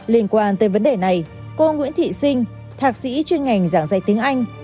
liên quan tới vấn đề này cô nguyễn thị sinh thạc sĩ chuyên ngành giảng dạy tiếng anh